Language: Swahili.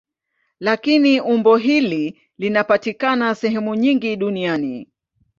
Lakini umbo hili linapatikana sehemu nyingi duniani.